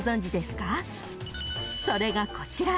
［それがこちら］